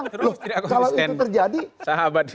terus tidak aku yang stand sahabat ini